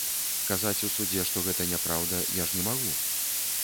Казаць у судзе, што гэта няпраўда, я ж не магу!